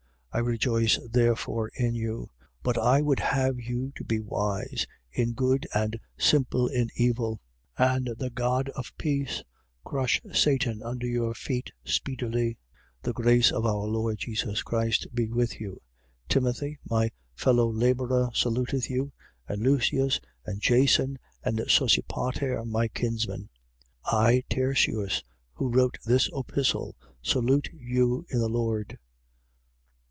I rejoice therefore in you. But I would have you to be wise in good and simple in evil. 16:20. And the God of peace crush Satan under your feet speedily. The grace of our Lord Jesus Christ be with you. 16:21. Timothy, my fellow labourer, saluteth you: and Lucius and Jason and Sosipater, my kinsmen. 16:22. I, Tertius, who wrote this epistle, salute you in the Lord.